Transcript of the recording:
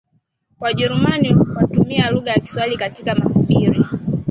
Wajerumani watumie lugha ya Kiswahili katika mahubiri